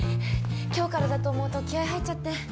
今日からだと思うと気合入っちゃって。